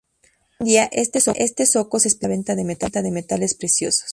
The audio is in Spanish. Hoy en día este zoco se especializa en la venta de metales preciosos.